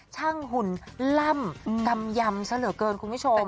หุ่นล่ำกำยำซะเหลือเกินคุณผู้ชม